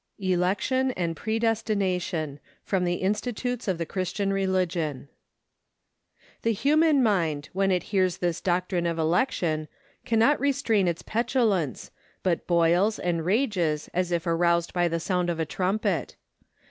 ELECTION AND PREDESTINATION From the 'Institutes of the Christian Religion' The human mind when it hears this doctrine of election cannot restrain its petulance, but boils and rages as if aroused by the sound of a trumpet.